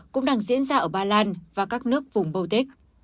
cũng đang diễn ra ở ba lan và các nước vùng boutic